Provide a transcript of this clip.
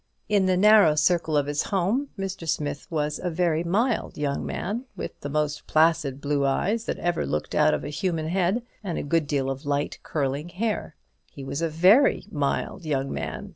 In the narrow circle of his home Mr. Smith was a very mild young man, with the most placid blue eyes that ever looked out of a human head, and a good deal of light curling hair. He was a very mild young man.